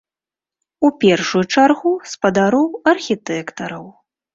У першую чаргу спадароў архітэктараў.